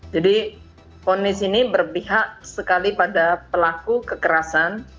jadi vonis ini berpihak sekali pada pelaku kekerasan